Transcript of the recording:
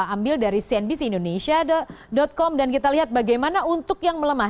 ambil dari cnbc indonesia com dan kita lihat bagaimana untuk yang melemah